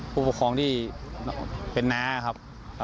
ผู้ปกครองที่เป็นน้าครับ